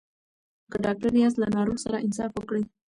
که ډاکټر یاست له ناروغ سره انصاف وکړئ.